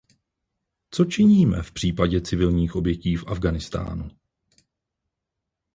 Co činíme v případěcivilních obětí v Afghánistánu?